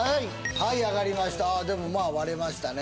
はいあがりましたでもまあ割れましたね